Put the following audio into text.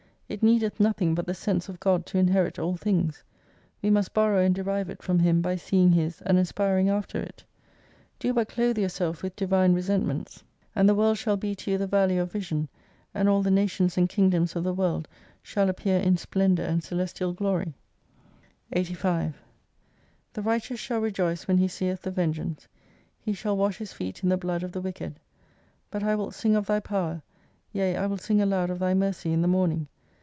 It needeth nothing but the sense of God to inherit all things. We must borrow and derive it from Him by seeing His, and aspiring after it. Do but clothe yourself with Divine resentments and the world shall 220 be to you the valley of vision, and aU the nations and kingdoms of the world shall appear in splendour and celestial glory. 85 The righteous shaU rejoice when he seeth the vengeance, he shall wash his feet in the blood of the wicked. But I will sing of Thy power, yea I will sing aloud of Thy mercy in the morning.